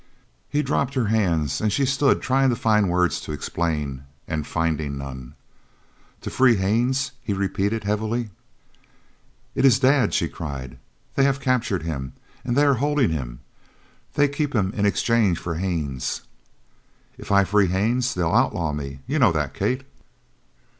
He dropped her hands, and she stood trying to find words to explain, and finding none. "To free Haines?" he repeated heavily. "It is Dad," she cried. "They have captured him, and they are holding him. They keep him in exchange for Haines." "If I free Haines they'll outlaw me. You know that, Kate?"